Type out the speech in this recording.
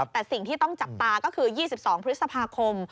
แต่สิ่งที่ต้องจับตาก็คือ๒๒พฤษภาคม